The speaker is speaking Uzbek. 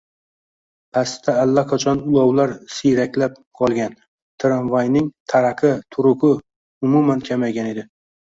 Pastda allaqachon ulovlar siyraklab qolgan, tramvayning taraqa-turugʻi umuman kamaygan edi